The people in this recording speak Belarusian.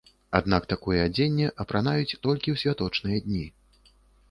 Аднак такое адзенне апранаюць толькі ў святочныя дні.